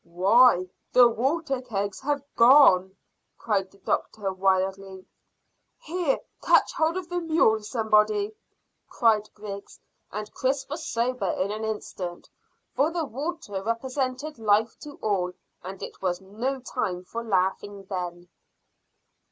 "Why, the water kegs have gone!" cried the doctor wildly. "Here, catch hold of the mule, somebody," cried Griggs, and Chris was sobered in an instant, for the water represented life to all, and it was no time for laughing then.